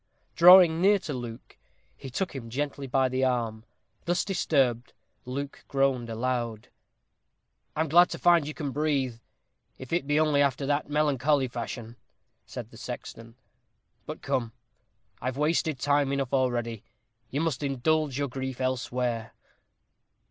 Drawing near to Luke, he took him gently by the arm. Thus disturbed, Luke groaned aloud. "I am glad to find you can breathe, if it be only after that melancholy fashion," said the sexton; "but come, I have wasted time enough already. You must indulge your grief elsewhere."